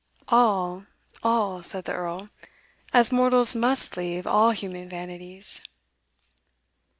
"All, all," said the Earl, "as mortals must leave all human vanities."